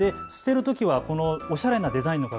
捨てるときはおしゃれなデザイン。